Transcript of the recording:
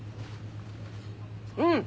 うん。